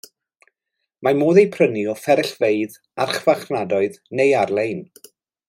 Mae modd eu prynu o fferyllfeydd, archfarchnadoedd neu ar-lein.